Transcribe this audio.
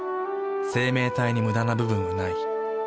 生命体にムダな部分はない。